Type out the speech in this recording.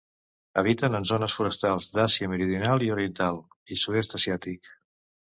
Habiten en zones forestals d'Àsia Meridional i Oriental i Sud-est asiàtic.